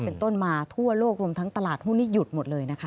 เป็นต้นมาทั่วโลกรวมทั้งตลาดหุ้นนี่หยุดหมดเลยนะคะ